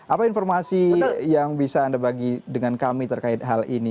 apa informasi yang bisa anda bagi dengan kami terkait hal ini